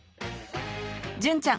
純ちゃん